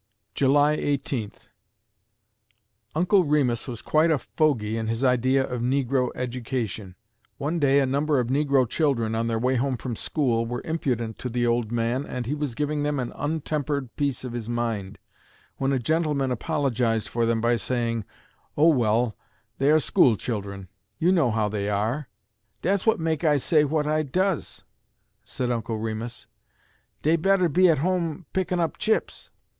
July Eighteenth Uncle Remus was quite a fogy in his idea of negro education. One day a number of negro children, on their way home from school, were impudent to the old man, and he was giving them an untempered piece of his mind, when a gentleman apologized for them by saying: "Oh well, they are school children. You know how they are." "Dat's what make I say what I duz," said Uncle Remus. "Dey better be at home pickin' up chips.